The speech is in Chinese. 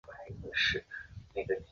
康熙三十二年病卒。